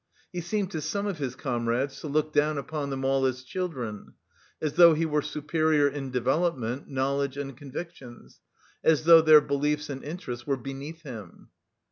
He seemed to some of his comrades to look down upon them all as children, as though he were superior in development, knowledge and convictions, as though their beliefs and interests were beneath him.